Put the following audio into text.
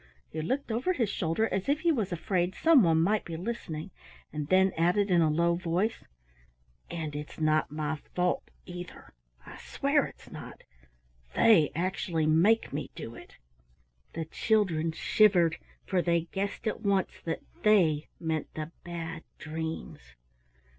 He looked over his shoulder as if he was afraid some one might be listening, and then added in a low voice, "And it's not my fault, either, I swear it's not. They actually make me do it!" The children shivered, for they guessed at once that "they" meant the Bad Dreams.